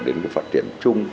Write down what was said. đến cái phát triển chung